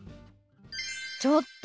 ちょっと！